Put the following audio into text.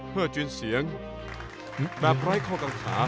เฮอร์จินเสียงแบบไรเข้ากังขา